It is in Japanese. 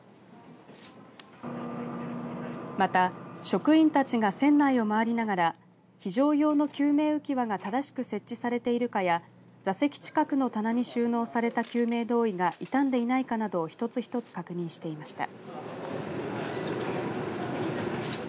また職員たちが船内を回りながら非常用の救命浮き輪が正しく設置されているかや座席近くの棚に収納された救命胴衣が傷んでいないかなどを一つ一つ確認していました。